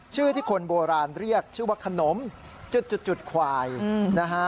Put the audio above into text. ชื่อที่คนโบราณเรียกชื่อว่าขนมจุดควายนะฮะ